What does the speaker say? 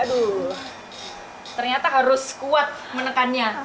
aduh ternyata harus kuat menekannya